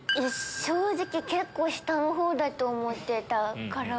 正直結構下の方だと思ってたから。